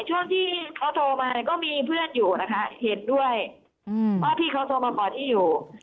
ช่วงที่เขาโทรมาก็มีเพื่อนอยู่นะคะเห็นด้วยว่าพี่เขาโทรมาขอที่อยู่